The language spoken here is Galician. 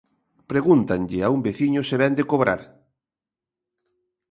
Pregúntanlle a un veciño se vén de cobrar.